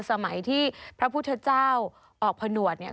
สมัยที่พระพุทธเจ้าออกผนวดเนี่ย